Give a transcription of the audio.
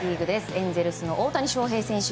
エンゼルスの大谷翔平選手